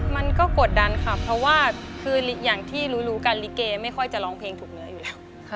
มันก็กดดันค่ะเพราะว่าคืออย่างที่รู้กันลิเกไม่ค่อยจะร้องเพลงถูกเนื้ออยู่แล้ว